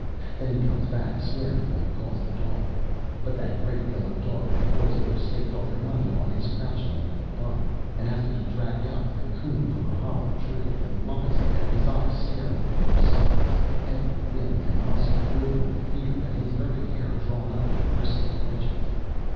Then he comes back swearing and calls the dog. But that great yellow dog that the boys would have staked all their money on is crouching under the bunk, and has to be dragged out like a coon from a hollow tree, and lies there, his eyes starting from their sockets; every limb and muscle quivering with fear, and his very hair drawn up in bristling ridges.